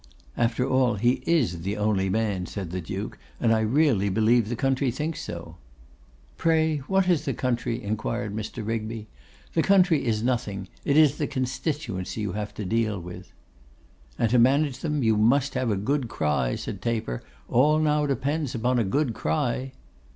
'After all he is the only man,' said the Duke; 'and I really believe the country thinks so.' 'Pray, what is the country?' inquired Mr. Rigby. 'The country is nothing; it is the constituency you have to deal with.' 'And to manage them you must have a good cry,' said Taper. 'All now depends upon a good cry.